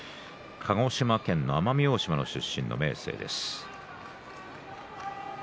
鹿児島県の奄美大島出身の明生です。